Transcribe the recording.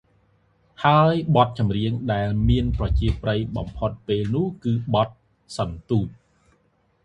ហើយបទចម្រៀងដែលមានប្រជាប្រិយបំផុតនាពេលនោះ គឺបទ «សន្ទូច»។